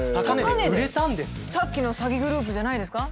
さっきの詐欺グループじゃないですか？